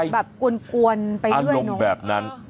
คือแบบกวนไปด้วยอารมณ์แบบนั้น